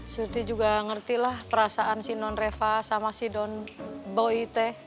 surti juga ngertilah perasaan si non reva sama si don boy teh